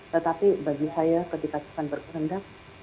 tetapi bagi saya ketika sukan berkendap